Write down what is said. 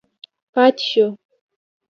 پاتې شو.